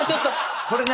これね